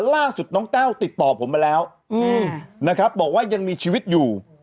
ล่าสุดน้องแต้วติดต่อผมมาแล้วนะครับบอกว่ายังมีชีวิตอยู่